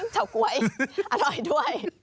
เฉาก๊วยอร่อยด้วย